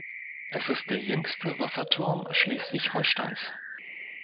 Es ist der jüngste Wasserturm Schleswig-Holsteins.